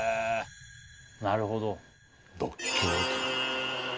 なるほど。